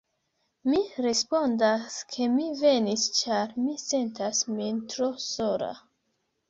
Mi respondas, ke mi venis ĉar mi sentas min tro sola.